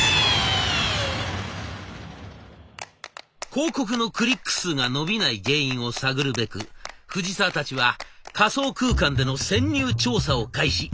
広告のクリック数が伸びない原因を探るべく藤沢たちは仮想空間での潜入調査を開始！